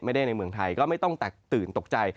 ในเมืองไทยก็ไม่ต้องแตกตื่นตกใจ